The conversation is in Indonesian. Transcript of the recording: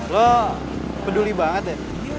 lo peduli banget ya